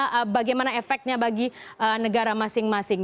dan bagaimana efeknya bagi negara masing masing